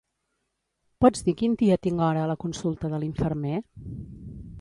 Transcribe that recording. Pots dir quin dia tinc hora a la consulta de l'infermer?